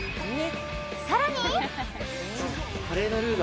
更に。